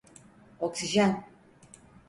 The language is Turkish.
Oksijen!